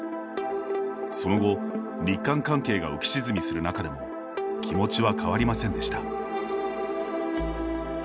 その後、日韓関係が浮き沈みする中でも気持ちは変わりませんでした。